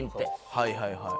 はいはいはい。